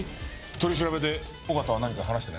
取り調べで小形は何か話してないか？